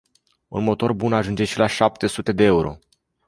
Un motor bun ajunge și la șapte sute de euro.